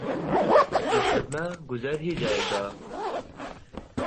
مقدمہ گزر ہی جائے گا۔